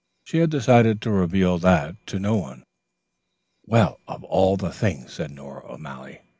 She had decided to reveal that to no one. "Well, of all things," said Nora O'Malley.